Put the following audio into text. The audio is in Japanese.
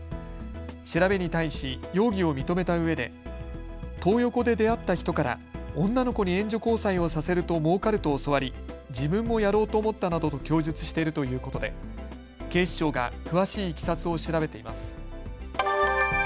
調べに対し容疑を認めたうえでトー横で出会った人から女の子に援助交際をさせるともうかると教わり自分もやろうと思ったなどと供述しているということで警視庁が詳しいいきさつを調べています。